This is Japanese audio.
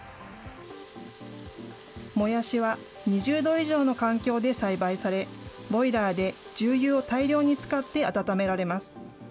もやしは２０度以上の環境で栽培され、ボイラーで重油を大量に使って温められます。